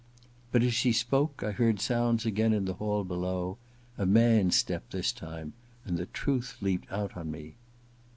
But as she spoke I heard sounds again in the hall below ; a man's step this time ; and the truth leaped out on me.